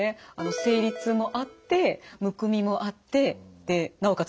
生理痛もあってむくみもあってでなおかつ